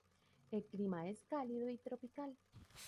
El clima es cálido, y tropical.